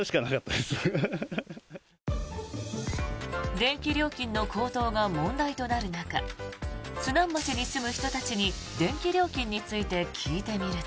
電気料金の高騰が問題となる中津南町に住む人たちに電気料金について聞いてみると。